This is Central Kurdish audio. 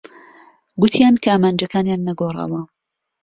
گوتیان کە ئامانجەکانیان نەگۆڕاوە.